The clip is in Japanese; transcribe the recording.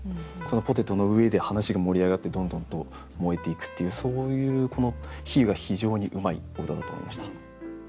ポテトの上で話が盛り上がってどんどんと燃えていくっていうそういうこの比喩が非常にうまいお歌だと思いました。